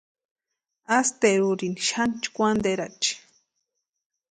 Asterurini xani chʼkwantirachi.